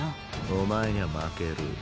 お前にゃ負ける。